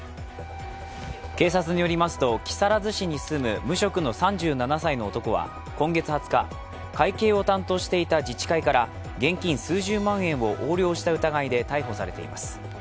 警察によりますと木更津市に住む無職の３７歳の男は今月２０日、会計を担当していた自治会から現金数十万円を横領した疑いで逮捕されています。